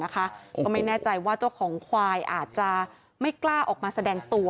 ก็ไม่แน่ใจว่าเจ้าของควายอาจจะไม่กล้าออกมาแสดงตัว